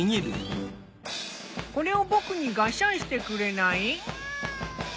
これを僕にがっしゃんしてくれない？